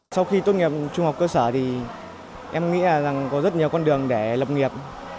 sau khi tốt nghiệp trung học cơ sở em nghĩ có rất nhiều con đường để lập nghiệp